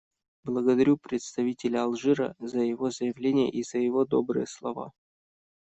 Благодарю представителя Алжира за его заявление и за его добрые слова.